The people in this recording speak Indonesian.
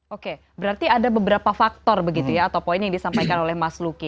oke berarti ada beberapa faktor begitu ya atau poin yang disampaikan oleh mas luki